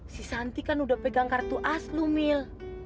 si santi kan udah pegang kartu as lu mil